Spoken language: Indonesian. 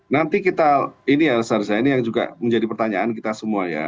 nanti kita ini yang juga menjadi pertanyaan kita semua ya